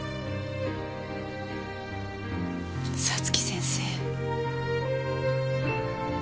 早月先生。